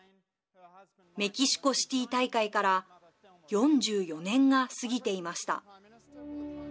メキシコシティー大会から４４年が過ぎていました。